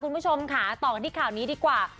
คุณผู้ชมค่ะต่อกันที่ข่าวนี้ดีกว่า